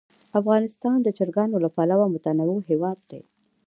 افغانستان د چرګانو له پلوه متنوع هېواد دی.